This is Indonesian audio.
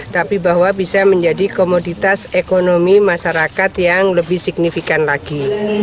tapi bahwa bisa menjadi komoditas ekonomi masyarakat yang lebih signifikan lagi